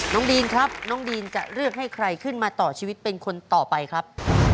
ดีนครับน้องดีนจะเลือกให้ใครขึ้นมาต่อชีวิตเป็นคนต่อไปครับ